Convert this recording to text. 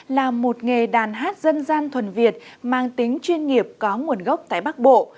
là một nghề đàn hát dân gian thuần việt mang tính chuyên nghiệp có nguồn gốc tại bắc bộ